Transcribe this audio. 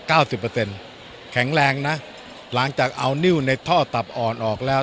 แข็งแรงนะหลังจากเอานิ่วในท่อตับอ่อนออกแล้ว